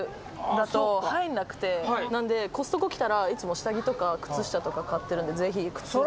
なんでコストコ来たら下着とか靴下とか買ってるんでぜひ下着を。